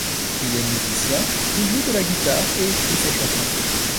Il est musicien, il joue de la guitare et écrit ses chansons.